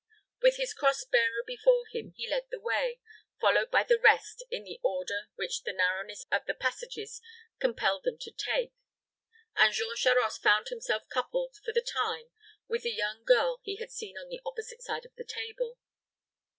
With his cross bearer before him, he led the way, followed by the rest in the order which the narrowness of the passages compelled them to take; and Jean Charost found himself coupled, for the time, with the young girl he had seen on the opposite side of the table.